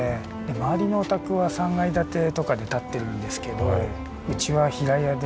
周りのお宅は３階建てとかで建ってるんですけどうちは平屋で。